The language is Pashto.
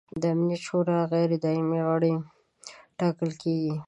د امنیت شورا غیر دایمي غړي ټاکل کیږي.